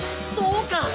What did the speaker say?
そうか！